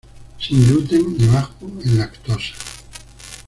Sin gluten y bajo en lactosa".